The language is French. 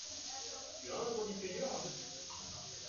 Tu as un gros disque dur?